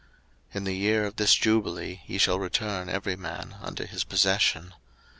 03:025:013 In the year of this jubile ye shall return every man unto his possession.